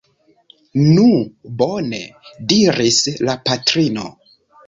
Nu bone! diris la patrino.